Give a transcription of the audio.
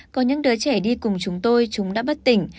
có những đứa trẻ đi cùng chúng tôi chúng đã bất tỉnh